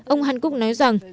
ông hancock nói rằng